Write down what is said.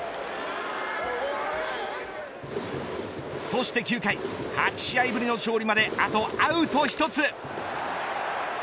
そして９回８試合ぶりの勝利まであとアウト１つ。